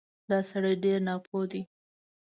دا سړی ډېر ناپوه دی